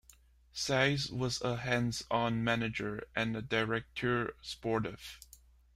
Saiz was a hands-on manager and directeur sportif.